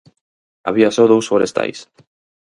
Había só dous forestais.